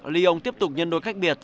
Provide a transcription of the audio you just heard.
lyon tiếp tục nhân đối cách biệt